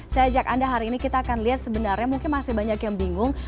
saya ajak anda hari ini kita akan lihat sebenarnya mungkin masih banyak yang bingung